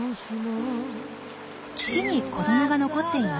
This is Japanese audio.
岸に子どもが残っています。